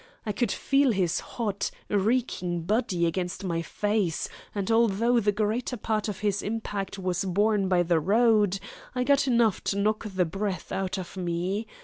I could feel his hot, reeking body against my face, and although the greater part of his impact was borne by the road, I got enough to knock the breath out of me.